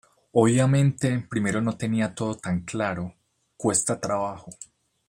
Obviamente primero no tenía todo tan claro, cuesta trabajo.